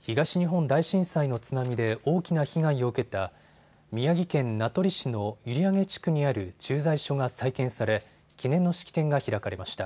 東日本大震災の津波で大きな被害を受けた宮城県名取市の閖上地区にある駐在所が再建され記念の式典が開かれました。